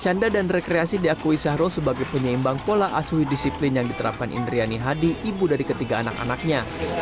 canda dan rekreasi diakui syahrul sebagai penyeimbang pola asuh disiplin yang diterapkan indriani hadi ibu dari ketiga anak anaknya